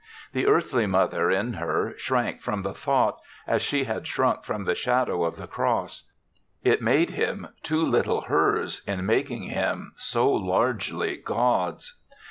The earthly mother in her shrank from the thought^ as she had shrunk from the shadow of the cross. It made him too little hers in making him so largely God's.